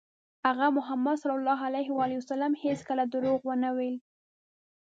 هغه ﷺ هېڅکله دروغ ونه ویل.